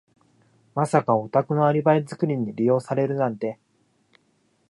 まさかお宅のアリバイ作りに利用されるなんて。